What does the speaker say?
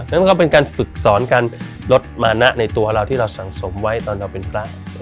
แล้วมันก็เป็นการฝึกสอนการลดมานะในตัวเราที่เราสั่งสมไว้ตอนเราเป็นพระ